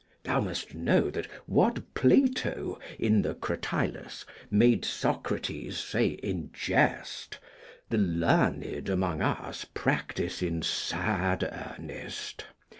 Thou must know that what Plato, in the 'Cratylus,' made Socrates say in jest, the learned among us practise in sad earnest.